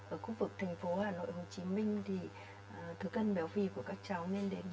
ở khu vực thành phố hà nội hồ chí minh thì thừa cân béo phì của các cháu nên đến bốn mươi năm mươi